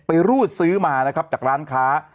รูดซื้อมานะครับจากร้านค้า